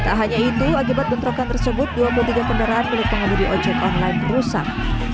tak hanya itu akibat bentrokan tersebut dua puluh tiga kendaraan milik pengemudi ojek online rusak